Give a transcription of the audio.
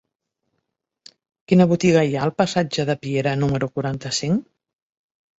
Quina botiga hi ha al passatge de Piera número quaranta-cinc?